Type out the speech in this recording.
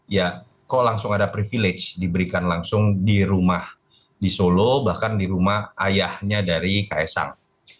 ya kok langsung ada privilege diberikan langsung di rumah di solo bahkan di rumah ayahnya dari ks sang